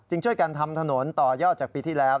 ช่วยกันทำถนนต่อยอดจากปีที่แล้ว